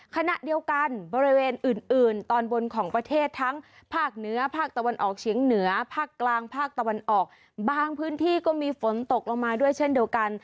ขณะเดียวกันบริเวณอื่นอื่นตอนบนของประเทศทั้งภาคเหนือภาคตะวันออกเฉียงเหนือภาคกลางภาคตะวันออกบางพื้นที่ก็มีฝนตกลงมาด้วยเช่นเดียวกัน